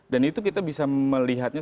dan itu kita bisa melihatnya